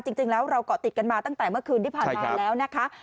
จริงแล้วเราเกาะติดกันมาตั้งแต่เมื่อคืนที่ผ่านมาแล้วนะคะ